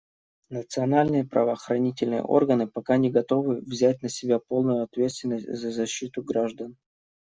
Национальные правоохранительные органы пока не готовы взять на себя полную ответственность за защиту граждан.